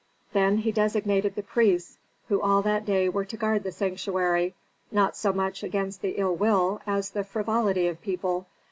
Then he designated the priests, who all that day were to guard the sanctuary, not so much against the ill will, as the frivolity of people.